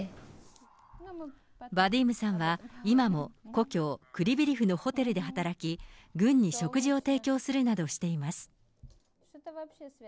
バディームさんは今も故郷、クリビリフのホテルで働き、軍に食事を提供するなどしています。